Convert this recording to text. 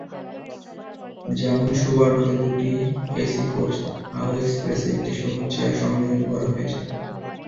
যেমন সুবর্ণতে দুটি AC coach, হাওর এক্সপ্রেসে একটি শোভন চেয়ারসংযোজন করা হয়েছে।